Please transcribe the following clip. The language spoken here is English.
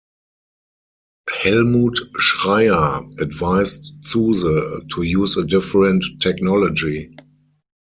Helmut Schreyer advised Zuse to use a different technology.